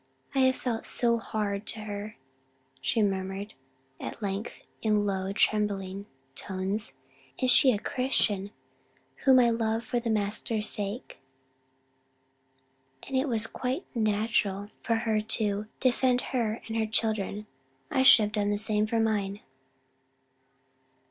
"I have felt hard to her," she murmured at length, in low, trembling tones; "and she a Christian, whom I should love for the Master's sake, and it was quite natural for her to defend her husband and children. I should have done the same for mine."